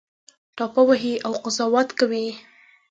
ټاپه وهي او قضاوت کوي